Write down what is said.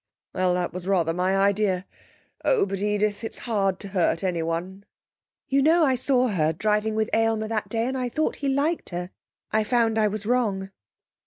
'Well, that was rather my idea. Oh, but, Edith, it's hard to hurt anyone.' 'You know I saw her driving with Aylmer that day, and I thought he liked her. I found I was wrong.'